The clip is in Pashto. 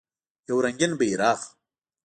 یو رنګین بیرغ